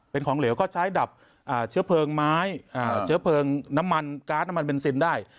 เป็นของเหลวก็ใช้ดับเชื้อเพลิงไม้เชื้อเพลิงน้ำมันการ์ดน้ำมันเบนซินได้